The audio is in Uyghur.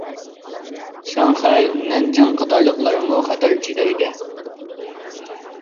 شاڭخەي، نەنجىڭ قاتارلىقلارمۇ خەتەر ئىچىدە ئىدى.